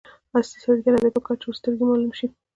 اصیل سړي ته نه دي پکار چې وږسترګی معلوم شي.